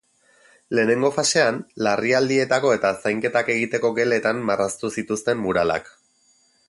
Lehenengo fasean, larrialdietako eta zainketak egiteko geletan marraztu zituzten muralak.